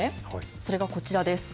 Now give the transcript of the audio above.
それがこちらです。